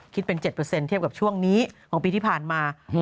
คิดเป็น๗เทียบกับช่วงนี้ของปีที่ผ่านมา